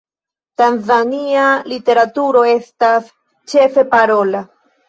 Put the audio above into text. Tanzania literaturo estas ĉefe parola.